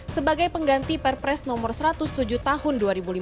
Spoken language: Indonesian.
sebagai pengganti perpres nomor satu ratus tujuh tahun dua ribu lima belas